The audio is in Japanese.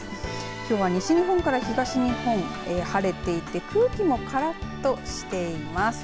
きょうは西日本から東日本晴れていて空気もからっとしています。